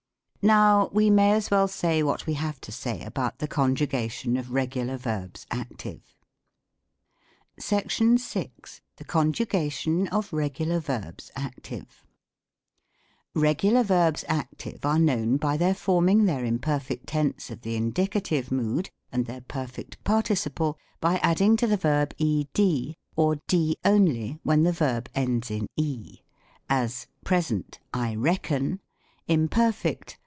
Now we may as well say what we have to say about the conjugation of regular verbs active. SECTION VI. THK CONJUGATION OF REGULAR VERBS ACTIVE. Regular Verbs Active are known by their forming their imperfect tense of the indicative mood, and their perfect participle, by adding to ihe verb cd, or d only when the verb ends in e : as, ETYMOLOGY. 61 PRESENT IMPERFECT.